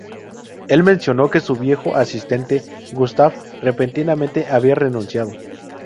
El mencionó que su viejo asistente, Gustav, repentinamente había renunciado.